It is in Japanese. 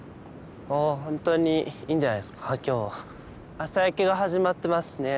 朝焼けが始まっていますね。